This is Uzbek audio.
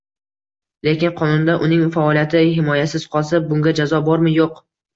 Lekin qonunda uning faoliyati himoyasiz qolsa, bunga jazo bormi? Yo‘q.